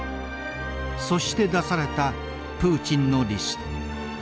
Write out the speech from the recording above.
そして出されたプーチンのリスト。